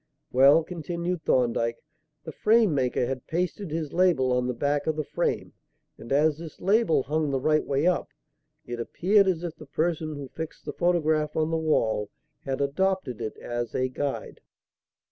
"Well," continued Thorndyke, "the frame maker had pasted his label on the back of the frame, and as this label hung the right way up, it appeared as if the person who fixed the photograph on the wall had adopted it as a guide."